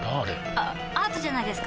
あアートじゃないですか？